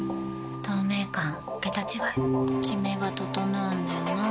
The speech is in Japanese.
透明感桁違いキメが整うんだよな。